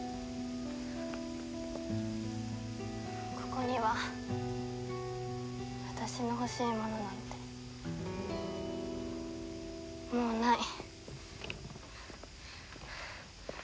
ここには私の欲しいものなんてもうない。